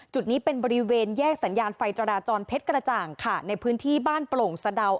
จุดนี้เป็นบริเวณแยกสัญญาณไฟจราจรเพชรกระจ่างค่ะในพื้นที่บ้านโปร่งสะดาว